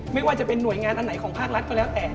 ไม่ว่าจะเป็นหน่วยงานอันไหนของภาครัฐก็แล้วแต่